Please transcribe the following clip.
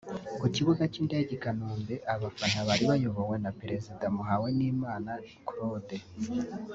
Ku kibuga cy’indege i Kanombe abafana bari bayobowe na perezida Muhawenimana Claude